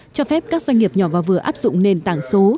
cho phép các doanh nghiệp nhỏ và vừa áp dụng nền tảng số